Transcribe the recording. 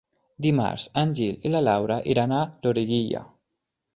Dimarts en Gil i na Laura iran a Loriguilla.